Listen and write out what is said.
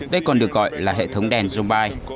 đây còn được gọi là hệ thống đèn zumbai